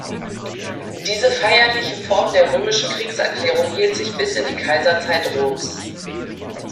Diese feierliche Form der römischen Kriegserklärung hielt sich bis in die Kaiserzeit Roms.